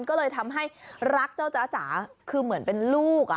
ก็เลยทำให้รักเจ้าจ๊ะจ๋าคือเหมือนเป็นลูก